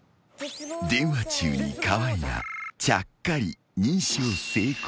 ［電話中に河合がちゃっかり認証成功］ＯＫ。